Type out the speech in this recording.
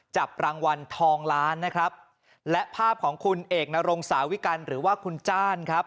จับรางวัลทองล้านนะครับและภาพของคุณเอกนรงสาวิกัลหรือว่าคุณจ้านครับ